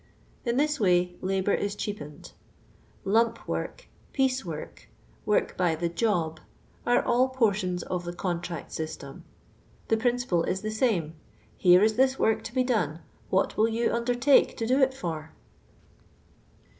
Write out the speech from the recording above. In this way labour is cheapened. *' Lump" work, " piece" work, work by *• the job." are all portions of lh<* contract system. The prin ciple is the same. " Here is this work to be don.*, what will you underuike to do it for